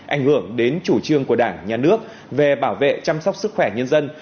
ảnh hưởng đến chủ trương của đảng nhà nước về bảo vệ chăm sóc sức khỏe nhân dân